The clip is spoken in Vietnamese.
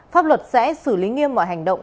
pháp luật sẽ xử lý nghiêm mọi hành động